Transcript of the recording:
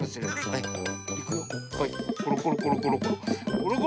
はいコロコロコロコロコロ。